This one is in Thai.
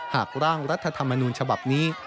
หากร่างรัฐธรรมนูญฉบับนี้